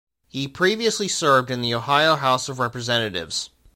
He previously served in the Ohio House of Representatives.